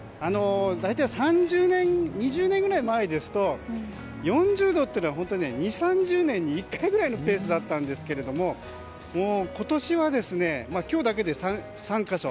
大体、２０年くらい前ですと４０度というのは２０３０年に１回のペースだったんですが今年は、今日だけで３か所。